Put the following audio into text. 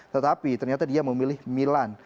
tetapi ternyata dia memilih milan